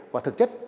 và thực chất